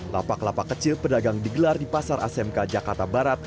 lapak lapak kecil pedagang digelar di pasar asmk jakarta barat